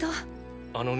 あのね